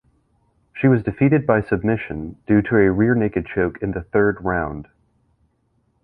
She was defeated by submission due to a rear-naked choke in the third round.